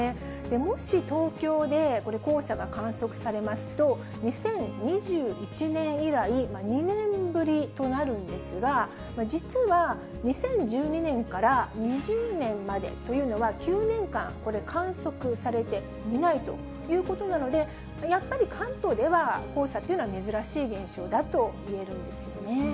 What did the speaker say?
もし東京でこれ、黄砂が観測されますと、２０２１年以来、２年ぶりとなるんですが、実は２０１２年から２０年までというのは、９年間、これ、観測されていないということなので、やっぱり関東では黄砂というのは珍しい現象だといえるんですよね。